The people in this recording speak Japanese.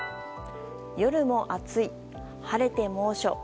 夜も暑い、晴れて猛暑。